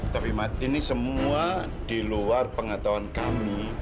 tapi ini semua di luar pengetahuan kami